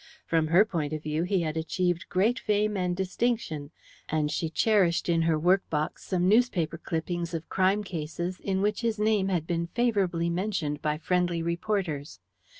From her point of view he had achieved great fame and distinction, and she cherished in her workbox some newspaper clippings of crime cases in which his name had been favourably mentioned by friendly reporters.